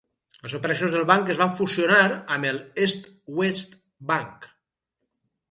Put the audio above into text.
Les operacions del banc es van fusionar amb el East West Bank.